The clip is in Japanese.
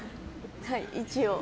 はい、一応。